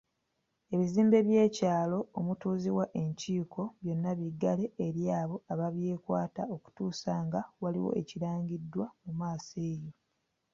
Ebizimbe by'ekyalo omutuuzibwa enkiiko byonna biggale eri abo ababyekwata okutuusa nga waliwo ekirangiriddwa mu maaso eyo.